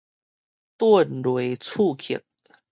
頓內次克